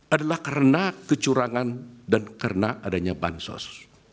adalah karena kecurangan dan karena adanya bansos